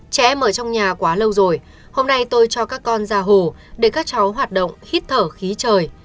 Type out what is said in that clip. trẻ em ở trong nhà quá lâu rồi hôm nay tôi cho các con ra hồ để các cháu hoạt động hít thở khí trời